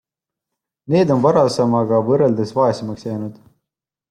Need on varasemaga võrreldes vaesemaks jäänud.